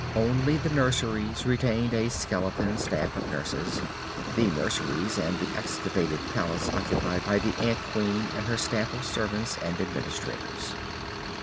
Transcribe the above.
Only the nurseries retained a skeleton staff of nurses the nurseries and the excavated palace occupied by the ant queen and her staff of servants and administrators.